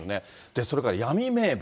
それから闇名簿。